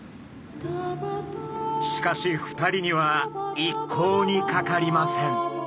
しかし２人には一向にかかりません。